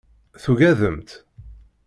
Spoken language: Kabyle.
Tugademt?